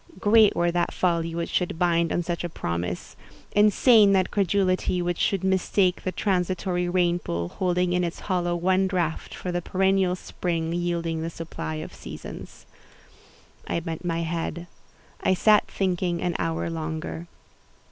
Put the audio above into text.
Great were that folly which should build on such a promise—insane that credulity which should mistake the transitory rain pool, holding in its hollow one draught, for the perennial spring yielding the supply of seasons." I bent my head: I sat thinking an hour longer.